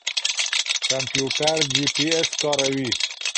کمپيوټر جيپي اېس کاروي.